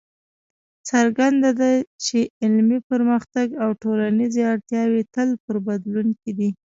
څرګنده ده چې علمي پرمختګ او ټولنیزې اړتیاوې تل په بدلون کې دي.